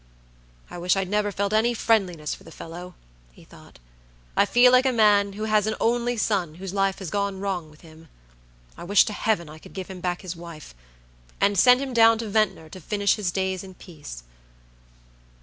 "I wish I'd never felt any friendliness for the fellow," he thought. "I feel like a man who has an only son whose life has gone wrong with him. I wish to Heaven I could give him back his wife, and send him down to Ventnor to finish his days in peace."